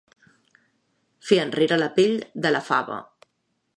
Fer enrere la pell de la fava.